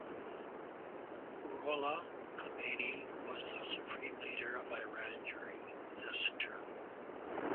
Ruhollah Khomeini was the supreme leader of Iran during this term.